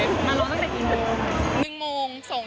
มาเราตั้งแต่กี่โมง